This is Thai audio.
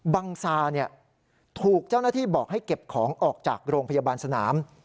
บังซาถูกเจ้าหน้าที่บอกให้เก็บของออกจากโรงพยาบาลสนาม